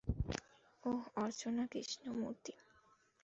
ওহ, Archana Krishnamurthy!